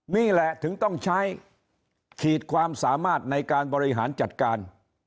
นี่แหละถึงต้องใช้ขีดความสามารถในการบริหารจัดการ